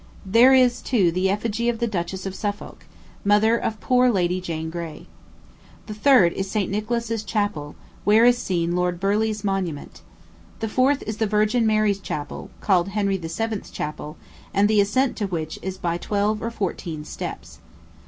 There is, too, the effigy of the Duchess of Suffolk, mother of poor Lady Jane Grey. The third is St. Nicholas's Chapel, where is seen Lord Burleigh's monument. The fourth is the Virgin Mary's Chapel, called Henry VII.'s Chapel, and the ascent to which is by twelve or fourteen steps.